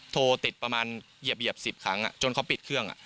โทรติดประมาณเหยียบ๑๐ครั้งจนเขาปิดเครื่อง